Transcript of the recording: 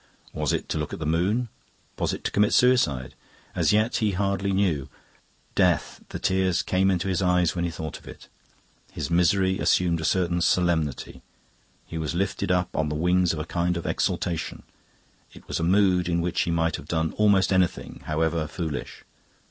Was it to look at the moon? Was it to commit suicide? As yet he hardly knew. Death the tears came into his eyes when he thought of it. His misery assumed a certain solemnity; he was lifted up on the wings of a kind of exaltation. It was a mood in which he might have done almost anything, however foolish.